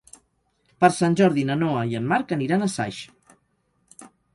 Per Sant Jordi na Noa i en Marc aniran a Saix.